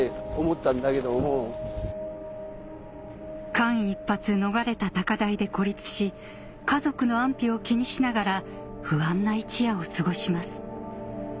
間一髪逃れた高台で孤立し家族の安否を気にしながら不安な一夜を過ごします